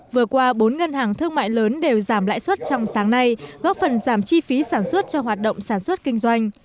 vừa qua bốn ngân hàng thương mại lớn đều giảm lãi suất trong sáng nay góp phần giảm chi phí sản xuất cho hoạt động sản xuất kinh doanh